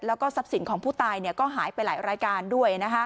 แล้วก็ทรัพย์สินของผู้ตายก็หายไปหลายรายการด้วย